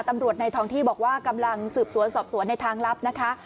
ในท้องที่บอกว่ากำลังสืบสวนสอบสวนในทางลับนะคะ